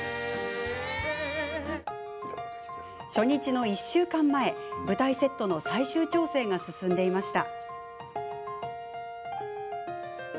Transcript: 初日の１週間前、舞台セットの最終調整が進んでいました。